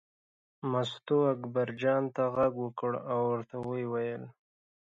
مستو اکبرجان ته غږ وکړ او ورته یې وویل.